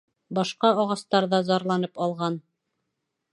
Башҡа ағастар ҙа зарланып алған.